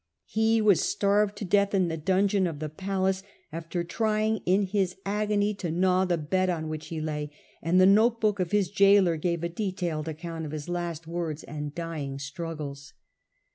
He was starved to death in the dungeon of the palace, after trying in his agony to gnaw the bed on which he lay,' and the note book of his gaoler gave a detailed account of his last words and dying struggles.